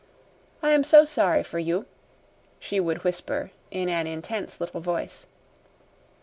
I am so sorry for you," she would whisper in an intense little voice.